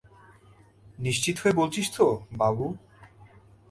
নিশ্চিত হয়ে বলছিস তো, বাবু?